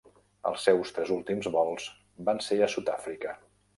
Els seus tres últims vols van ser a Sud-àfrica.